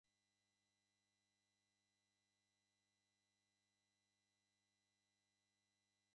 En general son máquinas pequeñas accionadas manualmente.